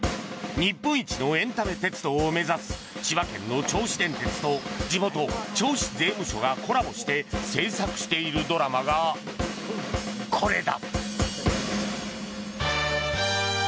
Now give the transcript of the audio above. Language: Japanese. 日本一のエンタメ鉄道を目指す千葉県の銚子電鉄と地元・銚子税務署がコラボして制作しているドラマがこれだ。